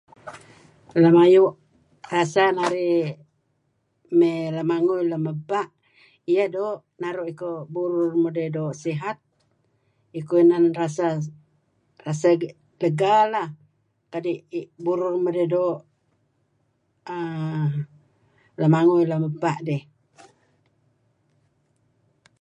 Lem ayu' rasa narih mey lamangui lem ebpa', iyeh doo' naru' iko burur mudih doo' sihat, iko inan rasa segar lah kadi' burur mudih doo' err lemangui lem ebpa' dih.